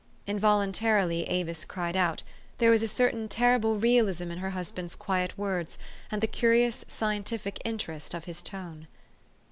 Involuntarily Avis cried out : there was a certain terrible realism in her husband's quiet words and the curious, scientific interest of his tone.